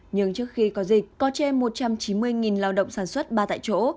nhưng trước khi có dịch có trên một trăm chín mươi lao động sản xuất ba tại chỗ